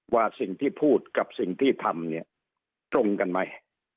ว่าสิ่งที่พูดกับสิ่งที่ทำเนี่ยตรงกันไหม